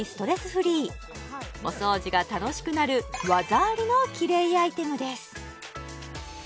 フリーお掃除が楽しくなる技ありのキレイアイテムです